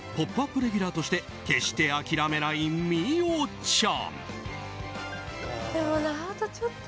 レギュラーとして決して諦めない美桜ちゃん。